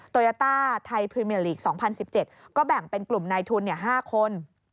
โยต้าไทยพรีเมียลีก๒๐๑๗ก็แบ่งเป็นกลุ่มนายทุน๕คน